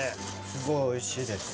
すごい美味しいです。